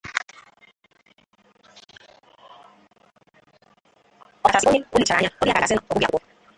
ọkachasị onye o lechaara anya ọ dị ya ka a ga-asị na ọ gụghị akwụkwọ